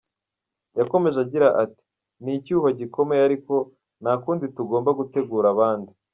Yakomeje agira ati “Ni icyuho gikomeye ariko nta kundi tugomba gutegura abandi.